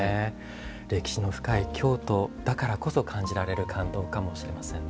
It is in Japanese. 歴史の深い京都だからこそ感じられる感動かもしれませんね。